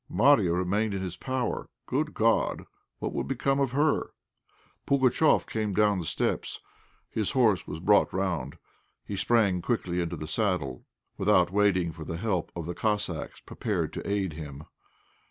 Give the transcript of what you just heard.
Marya remained in his power! Good God! what would become of her? Pugatchéf came down the steps, his horse was brought round, he sprang quickly into the saddle, without waiting for the help of the Cossacks prepared to aid him.